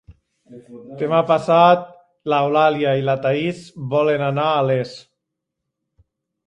Demà passat n'Eulàlia i na Thaís volen anar a Les.